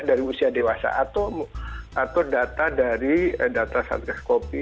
dari usia dewasa atau data dari data sars cov dua